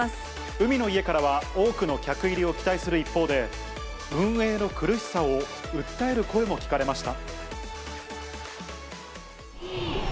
海の家からは、多くの客入りを期待する一方で、運営の苦しさを訴える声も聞かれました。